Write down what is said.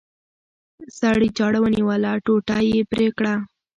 سړي چاړه ونیوله ټوټه یې پرې کړه.